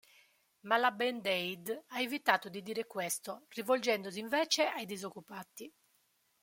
Ma la Band Aid ha evitato di dire questo, rivolgendosi invece ai disoccupati".